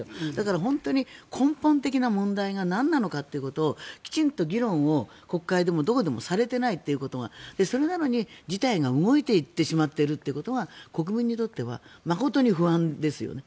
本当に根本的な問題がなんなのかということをきちんと議論が国会でもどこでもされていないのに事態が動いてしまっているというのが国民にとっては誠に不安ですよね。